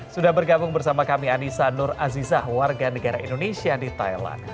sudah bergabung bersama kami anissa nur azizah warga negara indonesia di thailand